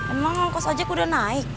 emang ongkos ojek udah naik